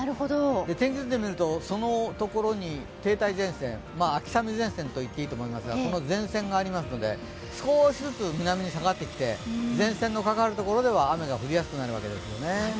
天気図で見ると、その所に停滞前線秋雨前線と言っていいと思いますが、前線がありますので南に下がってきて、前線のかかるところでは雨が降りやすくなるわけですよね。